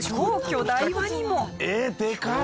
えっでかい！